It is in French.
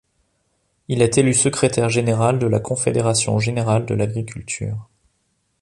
Il est élu secrétaire général de la Confédération générale de l'agriculture.